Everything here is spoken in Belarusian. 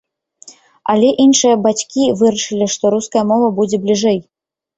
Але іншыя бацькі вырашылі, што руская мова будзе бліжэй.